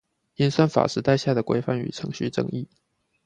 演算法時代下的規範與程序正義